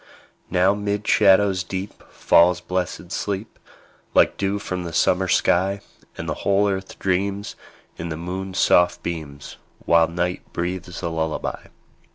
Now 'mid shadows deep Falls blessed sleep, Like dew from the summer sky; And the whole earth dreams, In the moon's soft beams, While night breathes a lullaby.